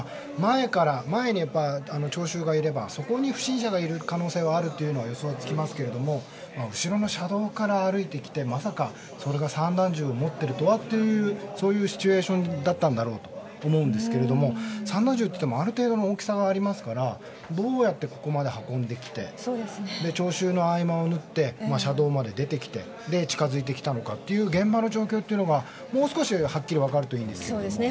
前に聴衆がいればそこに不審者がいる可能性があるというのは予想がつきますけど後ろの車道から歩いてきてまさかそれが散弾銃を持ってるとはというシチュエーションだったんだろうと思いますけれども散弾銃といってもある程度の大きさがありますからどうやってここまで運んできて聴衆の合間を縫って車道まで出てきて近づいてきたのかという現場の状況というのはもう少しはっきり分かるといいんですけどね。